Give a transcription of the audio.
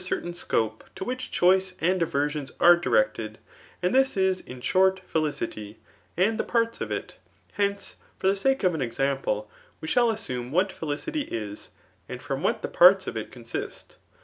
certain soope^ to which choice and werdoa arexUredBcl ; and.tlus is, in shorty feUcity, and the parts of in Hence, for the sake c^ aa esample, we ^lall assume whatfeUcicgr k) and from what the pans of it oonast.